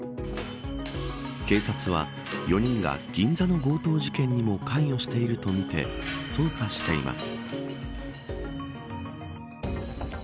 警察は４人が銀座の強盗事件にも関与しているとみて捜査しています。